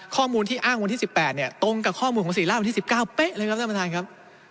ข้อมูลที่อ้างวันที่๑๘เนี่ยตรงกับข้อมูลของศรีราชวันที่๑๙เป๊ะเลยครับท่านประธานครับ